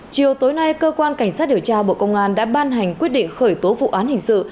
chiều tối nay cơ quan cảnh sát điều tra bộ công an đã ban hành quyết định khởi tố vụ án hình sự